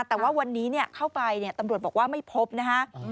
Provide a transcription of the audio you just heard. แต่ว่าวันนี้เนี่ยเข้าไปเนี่ยตำรวจบอกว่าไม่พบนะฮะ